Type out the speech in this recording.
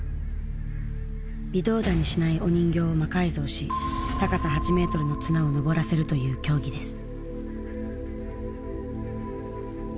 微動だにしないお人形を魔改造し高さ８メートルの綱を登らせるという競技です。